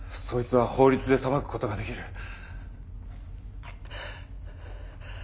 そいつは法律で裁くことができる。